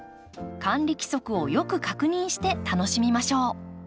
管理規則をよく確認して楽しみましょう。